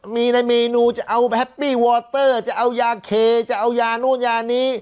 มีในเมนูจะเอาแฮปปี้วอเตอร์จะเอายาเคจะเอายานู้นยานี้